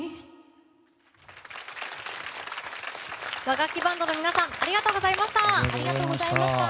和楽器バンドの皆さんありがとうございました。